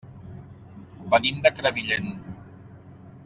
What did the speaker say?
Venim de Crevillent.